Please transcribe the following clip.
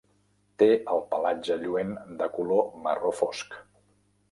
Té el pelatge lluent de color marró fosc.